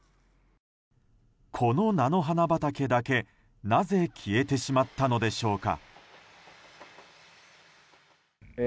この菜の花畑だけ、なぜ消えてしまったのでしょうか。